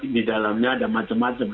di dalamnya ada macam macam